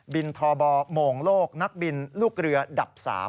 บินทอบอล์โหมงโลกนักบินลูกเรือดับ๓